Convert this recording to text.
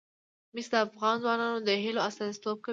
مس د افغان ځوانانو د هیلو استازیتوب کوي.